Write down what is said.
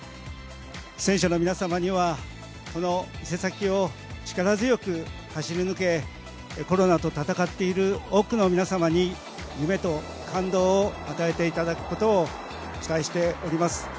選手の皆様にはこの伊勢崎を力強く走り抜けコロナと闘っている多くの皆様に夢と感動を与えていただくことを期待しております。